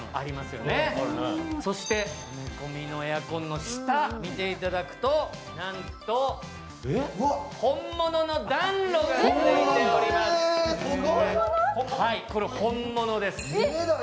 埋め込みのエアコンの下を見ていただくと、なんと、本物の暖炉がついております。